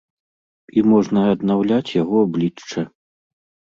І можна аднаўляць яго аблічча.